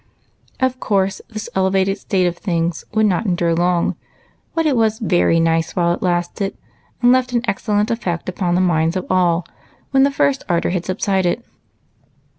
Of course, this elevated state of things could not endure long, but it was very nice while it lasted, and left an excellent effect upon the minds of all when the first ardor had subsided.